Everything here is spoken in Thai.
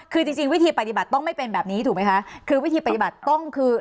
คือจริงจริงวิธีปฏิบัติต้องไม่เป็นแบบนี้ถูกไหมคะคือวิธีปฏิบัติต้องคือ